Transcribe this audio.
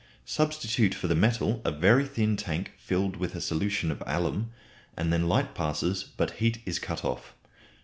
Substitute for the metal a very thin tank filled with a solution of alum, and then light passes, but heat is cut off.